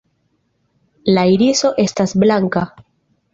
La iriso estas blanka.